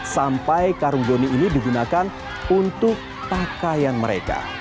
sampai karung boni ini digunakan untuk pakaian mereka